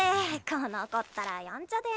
この子ったらやんちゃで。